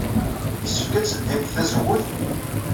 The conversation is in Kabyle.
Yessefk ad tledyemt tazewwut?